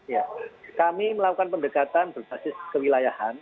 ya kami melakukan pendekatan berbasis kewilayahan